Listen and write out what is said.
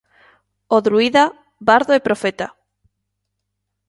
O Druída, bardo e profeta.